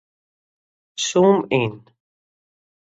Zoom yn.